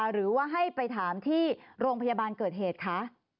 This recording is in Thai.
หรือว่าให้ไปถามที่โรงพยาบาลเกิดเหตุคะ